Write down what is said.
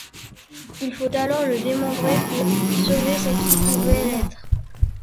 Il faut alors le démembrer pour sauver ce qui pouvait l'être.